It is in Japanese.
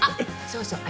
そうそう。